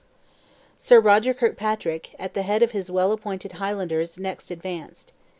Sir Roger Kirkpatrick, at the head of his well appointed Highlanders next advanced.